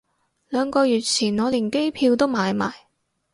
兩個月前我連機票都買埋